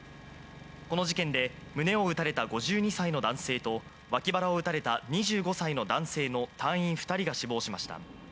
この事件で胸を撃たれた５２歳の男性と、脇腹を撃たれた２５歳の男性の隊員２人が死亡しました。